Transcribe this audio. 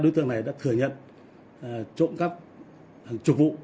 đối tượng này đã thừa nhận trộm cắp hàng chục vụ